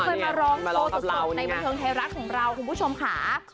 ที่เคยมาร้องโทษตกในบรรเทิงไฟรัสของเราคุณผู้ชมค่ะ